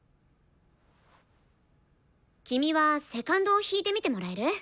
君はセカンドを弾いてみてもらえる？